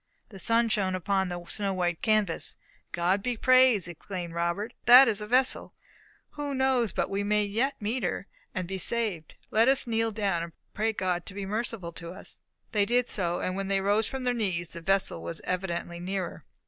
The sun shone upon the snow white canvas. "God be praised!" exclaimed Robert; "that is a vessel! Who knows but we may yet meet her, and be saved! Let us kneel down, and pray God to be merciful to us." They did so; and when they rose from their knees the vessel was evidently nearer.